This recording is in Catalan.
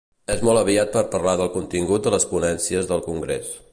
És molt aviat per parlar del contingut de les ponències del congrés.